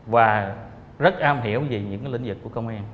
và rất am hiểu về những lĩnh vực của công an này rồi đó